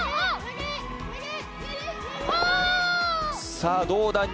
さあ、どうだ。